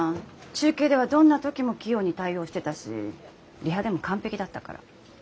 中継ではどんな時も器用に対応してたしリハでも完璧だったから。